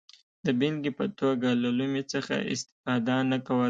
د بېلګې په توګه له لومې څخه استفاده نه کوله.